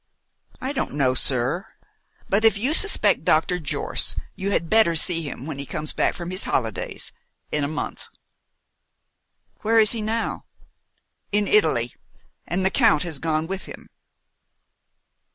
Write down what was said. "I don't know, sir. But if you suspect Dr. Jorce you had better see him when he comes back from his holidays in a month." "Where is he now?" "In Italy, and the Count has gone with him."